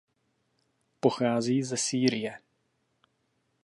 Pochází ze Sýrie.